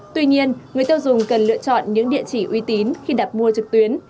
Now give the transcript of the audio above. tuy nhiên người tiêu dùng cần lựa chọn những địa chỉ uy tín khi đặt mua trực tuyến